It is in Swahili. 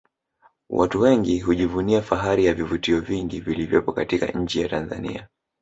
Watu wengi hujivunia fahari ya vivutio vingi vilivyopo katika nchi ya Tanzania